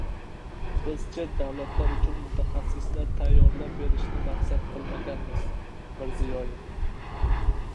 Biz chet davlatlar uchun mutaxassislar tayyorlab berishni maqsad qilmaganmiz – Mirziyoyev